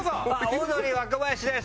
オードリー若林です。